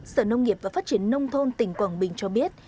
sở nông nghiệp và phát triển nông thôn tỉnh quảng bình cho biết